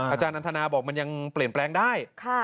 อาจารย์อันทนาบอกมันยังเปลี่ยนแปลงได้